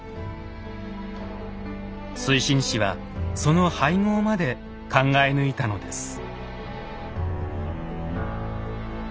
水心子はその配合まで考え抜いたのです。